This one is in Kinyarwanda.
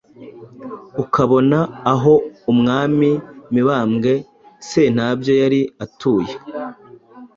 ukabona aho umwami Mibambwe Sentabyo yari atuye